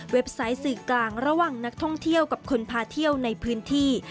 ไซต์สื่อกลางระหว่างนักท่องเที่ยวกับคนพาเที่ยวในพื้นที่